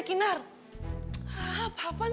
kinar tuh udah jangan ngekos disini aja